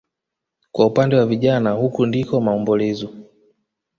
Kwa upande wa vijana huku ndiko maombolezo